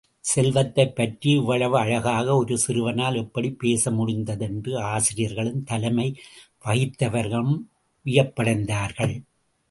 செல்வத்தைப் பற்றி இவ்வளவு அழகாக ஒரு சிறுவனால் எப்படிப் பேச முடிந்தது என்று ஆசிரியர்களும் தலைமை வகித்தவரும் வியப்படைந்தார்கள்.